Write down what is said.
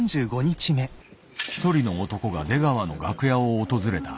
一人の男が出川の楽屋を訪れた。